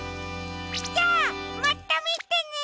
じゃあまたみてね！